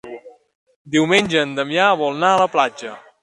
Diumenge en Damià vol anar a la platja.